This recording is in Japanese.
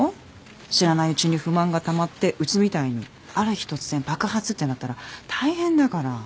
知らないうちに不満がたまってうちみたいにある日突然爆発ってなったら大変だから。